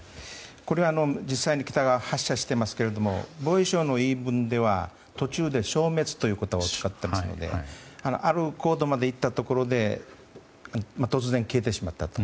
これは実際に、北が発射してますけども防衛省の言い分では途中で消滅ということをおっしゃっていますのである高度まで行ったところで突然、消えてしまったと。